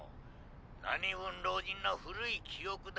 何ぶん老人の古い記憶だ。